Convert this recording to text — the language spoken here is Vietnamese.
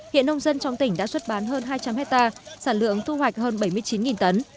hiện nông dân trong tỉnh đã xuất bán hơn hai trăm linh hectare sản lượng thu hoạch hơn bảy mươi chín tấn